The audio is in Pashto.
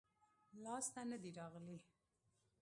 لاس ته نه دي راغلي-